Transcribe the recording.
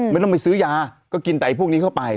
ไม่ต้องไปซื้อยาก็กินแต่พวกนี้เข้าไป